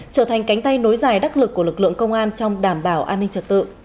trở thành cánh tay nối dài đắc lực của lực lượng công an trong đảm bảo an ninh trật tự